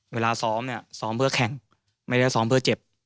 เวลาซ้อมซ้อมเพื่อแครงมีอะไรซ้อมเพื่อเจ็บ